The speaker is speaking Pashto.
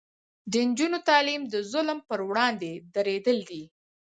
د نجونو تعلیم د ظلم پر وړاندې دریدل دي.